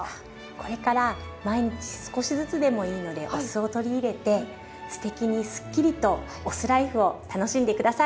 これから毎日少しずつでもいいのでお酢を取り入れて“酢テキ”にスッキリとお酢ライフを楽しんで下さい。